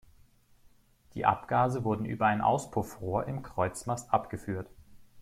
Die Abgase wurden über ein Auspuffrohr im Kreuzmast abgeführt.